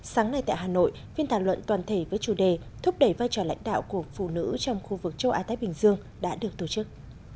sáng nay tại hà nội phiên thảo luận toàn thể với chủ đề thúc đẩy vai trò lãnh đạo của phụ nữ trong khu vực châu á thái bình dương đã được tổ chức